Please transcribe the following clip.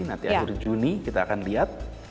nanti akhir juni kita akan lihat